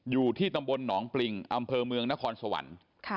อยู่ที่ตำบลหนองปริงอำเภอเมืองนครสวรรค์